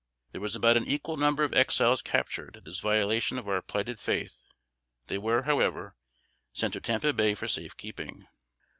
There was about an equal number of Exiles captured, at this violation of our plighted faith; they were, however, sent to Tampa Bay for safe keeping.